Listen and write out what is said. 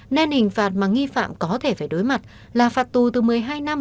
nên hình phạt mà nghi phạm có thể phải đối mặt là phạt tù từ một mươi hai năm